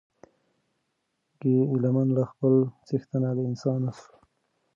ګیله من له خپل څښتنه له انسان سو